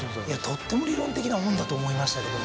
とっても理論的なもんだと思いましたけども。